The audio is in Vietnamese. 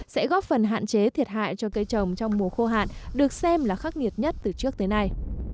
sẽ góp phần hạn chế thiệt hại cho cây trồng trong mùa khô hạn được xem là khắc nghiệt nhất từ trước tới nay